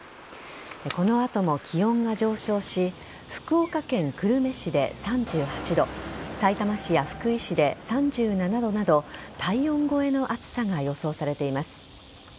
この後も気温が上昇し福岡県久留米市で３８度さいたま市や福井市で３７度など体温超えの暑さが予想されています。